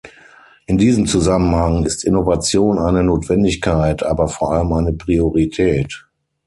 In diesem Zusammenhang ist Innovation eine Notwendigkeit, aber vor allem eine Priorität.